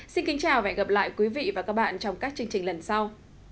xin kính chào và hẹn gặp lại quý vị và các bạn trong các chương trình lần sau